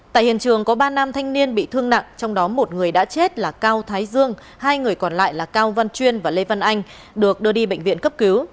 tại hiện trường có ba nam thanh niên bị thương nặng trong đó một người đã chết là cao thái dương hai người còn lại là cao văn chuyên và lê văn anh được đưa đi bệnh viện cấp cứu